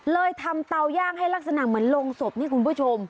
เลยทำเตาย่างให้ลักษณะเหมือนโรงศพนี่คุณผู้ชม